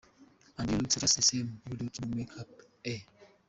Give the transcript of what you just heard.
And your look's just the same without no make-up, eh.